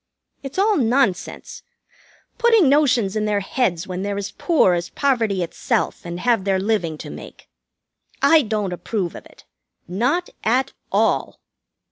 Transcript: It's all nonsense, putting notions in their heads when they're as poor as poverty itself and have their living to make. I don't approve of it. Not at all."